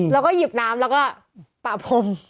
แล้วก็หยิบน้ำแล้วก็ปะพรม